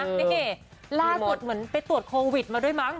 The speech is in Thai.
นี่ล่าสุดเหมือนไปตรวจโควิดมาด้วยมั้ง